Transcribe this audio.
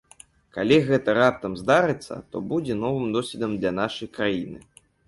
Калі гэта раптам здарыцца, то будзе новым досведам для нашай краіны.